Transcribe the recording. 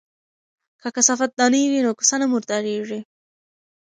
که کثافات دانی وي نو کوڅه نه مرداریږي.